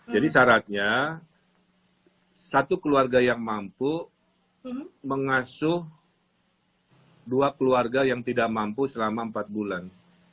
jadi syaratnya satu keluarga yang mampu mengasuh dua keluarga yang tidak mampu selama empat bulan